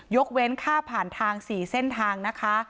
เว้นค่าผ่านทาง๔เส้นทางนะคะ